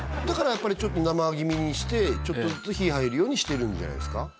だからちょっと生気味にしてちょっとずつ火入るようにしてるんじゃないっすか？